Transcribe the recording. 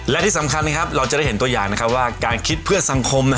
และที่สำคัญเราจะได้เห็นตัวอย่างว่าการคิดเพื่อสังคม